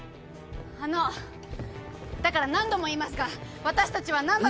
あのだから何度も言いますが私たちは難破君。